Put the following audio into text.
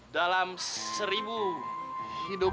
dalam seribu hidup